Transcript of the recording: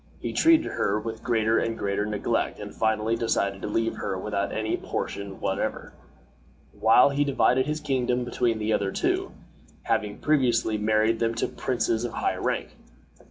He treated her with greater and greater neglect and finally decided to leave her without any portion whatever, while he divided his kingdom between the other two, having previously married them to princes of high rank.